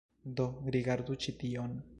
Do, rigardu ĉi tion